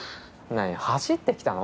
何走って来たの？